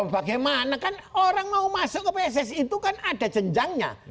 bagaimana kan orang mau masuk ke pssi itu kan ada jenjangnya